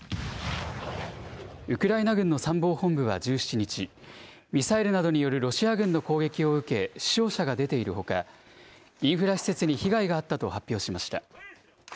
ウクライナ軍の参謀本部は１７日、ミサイルなどによるロシア軍の攻撃を受け、死傷者が出ているほか、インフラ施設に被害があったと発表しました。